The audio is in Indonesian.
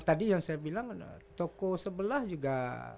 tadi yang saya bilang toko sebelah juga